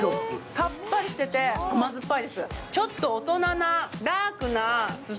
さっぱりしてて、甘酸っぱいです。